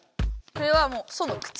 これはもう「そ」の口。